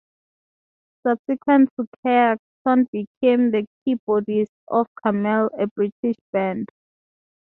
Subsequent to Kayak, Ton became the keyboardist of Camel, a British band.